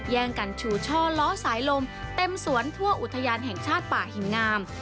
แย่งกันชูช่อล้อสายลมเต็มสวนทั่วอุทยานแห่งชาติป่าหินงาม